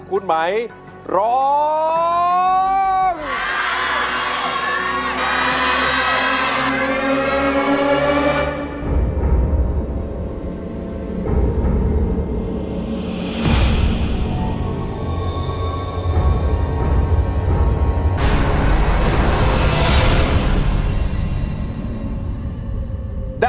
คุณหมายร้องได้